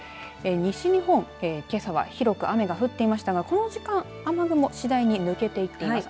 西日本、けさは広く雨が降っていましたがこの時間、雨雲次第に抜けていっています。